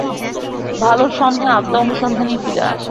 ভালর সন্ধান আত্মানুসন্ধানেই ফিরিয়া আসে।